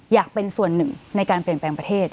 อยากเป็นส่วนหนึ่งในการเปลี่ยนแปลงประเทศ